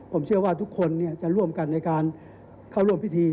ผมเชื่อว่าทุกคนจะร่วมกันในการเข้าร่วมพิธี